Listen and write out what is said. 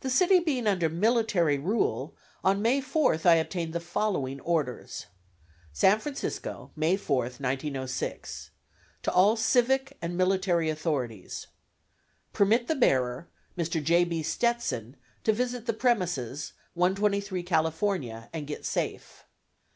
The city being under military rule, on May 4th I obtained the following orders: San Francisco, May 4, 1906. To All Civic and Military Authorities: Permit the bearer, Mr. J. B. Stetson, to visit the premises, 123 California, and get safe.